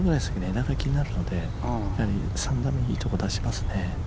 枝が気になるので、３打目いいところに出しますね。